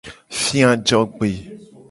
Fia ajogbe.